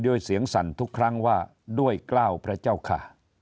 ด้วยเสียงสั่นทุกครั้งว่าด้วยกล้าวพระเจ้าค่ะ